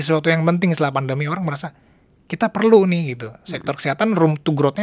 sesuatu yang penting setelah pandemi orang merasa kita perlu nih gitu sektor kesehatan room to growth nya